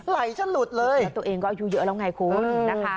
ไหลจนหลุดเลยแล้วตัวเองก็อายุเยอะแล้วไงคุณนะคะ